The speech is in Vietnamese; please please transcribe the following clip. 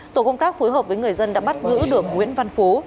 tổ công tác phối hợp với người dân đã bắt giữ được nguyễn văn phú